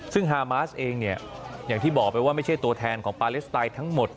ซึ่งฮามาสเองเนี่ยอย่างที่บอกไปว่าไม่ใช่ตัวแทนของปาเลสไตน์ทั้งหมด